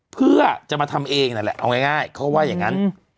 เพื่อจะมาทำเองนั่นแหละเอาง่ายเขาก็ว่าอย่างนั้น